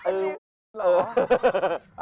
เออหรอ